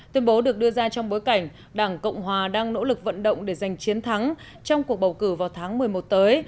tuyên bố được đưa ra trong bối cảnh đảng cộng hòa đang nỗ lực vận động để giành chiến thắng trong cuộc bầu cử vào tháng một mươi một tới